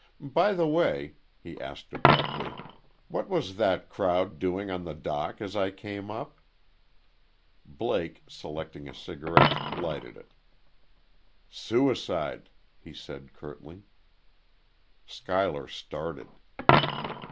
By the way," he asked, abruptly, "what was that crowd doing on the dock as I came up?" Blake, selecting a cigarette, lighted it. "Suicide," he said, curtly. Schuyler started.